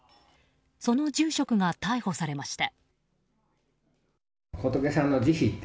その住職が逮捕されました。